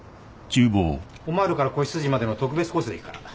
オマールから子羊までの特別コースでいくから。